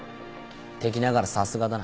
敵ながらさすがだな。